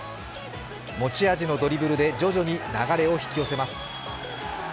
持ち味のドリブルで徐々に流れを引き寄せます。